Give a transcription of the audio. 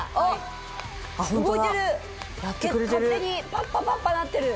パッパパッパなってる！